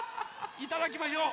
いただきましょう